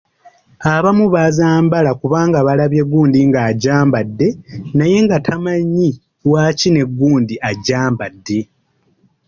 Abamu bazambala kubanga balabye gundi ng’agyambadde naye nga tamanyi lwaki ne gundi agyambadde!